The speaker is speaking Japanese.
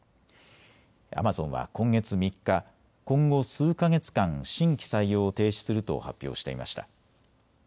アマゾンは今月３日、今後数か月間、新規採用を停止すると発表していました。